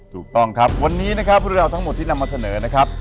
ถูกต้องครับวันนี้นะครับเรื่องราวทั้งหมดที่นำมาเสนอนะครับ